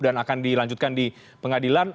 dan akan dilanjutkan di pengadilan